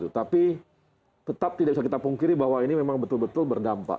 tapi tetap tidak bisa kita pungkiri bahwa ini memang betul betul berdampak